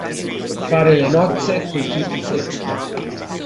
Fare le nozze coi fichi secchi.